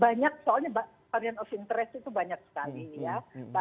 banyak soalnya varian of interest itu banyak sekali ya